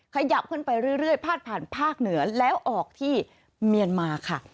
ขยับขึ้นไปเรื่อยพาดผ่านภาคเหนือแล้วออกที่เมียนมาค่ะ